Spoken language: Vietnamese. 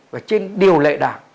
và trên điều lệ đảng